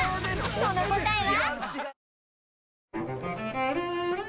その答えは？